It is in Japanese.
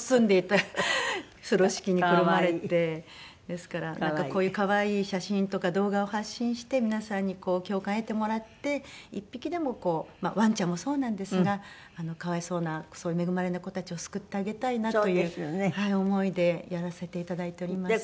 ですからなんかこういう可愛い写真とか動画を発信して皆さんにこう共感を得てもらって１匹でもこうまあワンちゃんもそうなんですが可哀想なそういう恵まれない子たちを救ってあげたいなという思いでやらせていただいております。